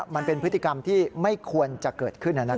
มันเป็นพฤติกรรมที่ไม่ควรจะเกิดขึ้น